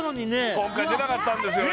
今回は出なかったんですよね